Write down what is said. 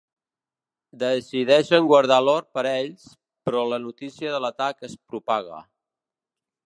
Decideixen guardar l'or per a ells, però la notícia de l'atac es propaga.